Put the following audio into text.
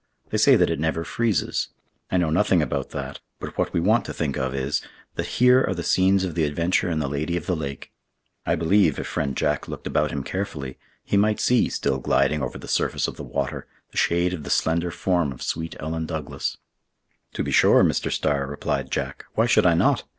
They say that it never freezes. I know nothing about that, but what we want to think of is, that here are the scenes of the adventures in the Lady of the Lake. I believe, if friend Jack looked about him carefully, he might see, still gliding over the surface of the water, the shade of the slender form of sweet Ellen Douglas." "To be sure, Mr. Starr," replied Jack; "why should I not?